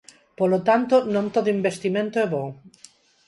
Polo tanto, non todo investimento é bo.